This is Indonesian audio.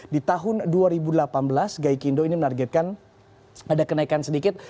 di tahun dua ribu delapan belas gaikindo ini menargetkan ada kenaikan sedikit